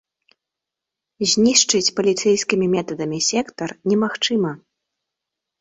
Знішчыць паліцэйскімі метадамі сектар немагчыма.